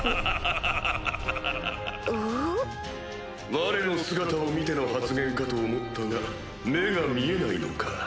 我の姿を見ての発言かと思ったが目が見えないのか。